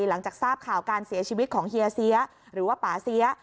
หลังจากทราบข่าวการเสียชีวิตของเฮียเสียหรือว่าป่าเสีย